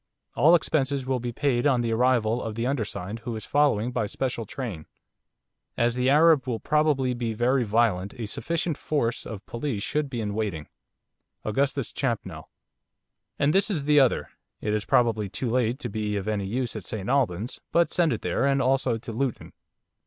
All expenses will be paid on the arrival of the undersigned who is following by special train. As the Arab will probably be very violent a sufficient force of police should be in waiting. 'Augustus Champnell.' 'And this is the other. It is probably too late to be of any use at St Albans, but send it there, and also to Luton.